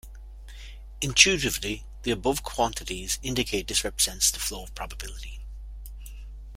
Intuitively, the above quantities indicate this represents the flow of probability.